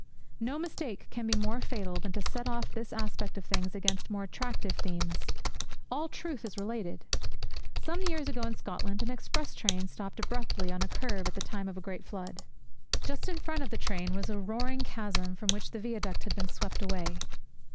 No mistake can be more fatal than to set off this aspect of things against more attractive themes. All truth is related. Some years ago in Scotland an express train stopped abruptly on a curve in the time of a great flood. Just in front of the train was a roaring chasm from which the viaduct had been swept away.